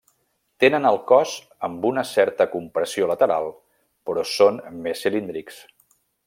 Tenen el cos amb una certa compressió lateral però són més cilíndrics.